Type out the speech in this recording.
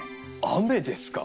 雨ですか？